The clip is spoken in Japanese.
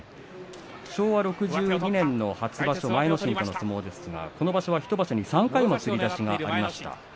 昭和６２年初場所前乃臻との相撲ですがこの場所は１場所に３回もつりがありました。